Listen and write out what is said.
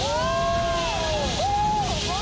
โอ้โห